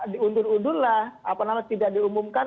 diundur undur lah apa namanya tidak diumumkan